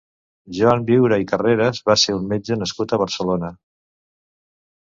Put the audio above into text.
Joan Viura i Carreras va ser un metge nascut a Barcelona.